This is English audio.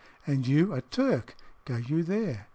"And you?" "A Turk." "Go you there."